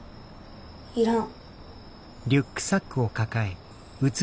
いらん。